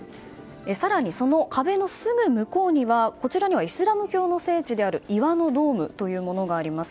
更にその壁のすぐ向こうにはこちらにはイスラム教の聖地である岩のドームというものがあります。